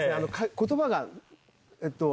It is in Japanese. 言葉がえっと。